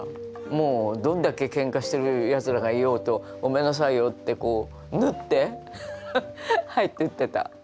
もうどんだけけんかしてるやつらがいようと「ごめんなさいよ」ってこう縫って入っていってた。